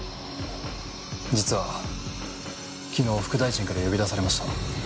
実は昨日副大臣から呼び出されました。